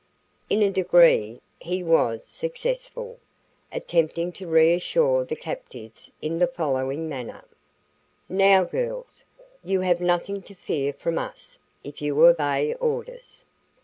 In a degree, he was successful, attempting to reassure the captives in the following manner: "Now, girls, you have nothing to fear from us, if you obey orders.